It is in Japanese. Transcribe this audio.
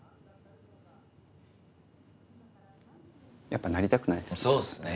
やっぱなりたくないですね。